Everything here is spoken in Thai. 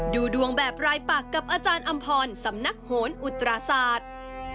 ดูดวงแบบรายปักกับอาจารย์อำพรสำนักโหนอุตราศาสตร์